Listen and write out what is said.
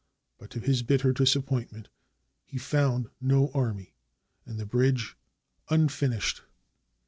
But, to his bitter disappointment, he found no army, and the bridge unfinished.